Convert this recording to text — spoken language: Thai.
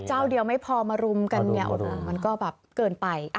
เจ้าเดียวไม่พอมารุมกันมันก็แบบเกินไป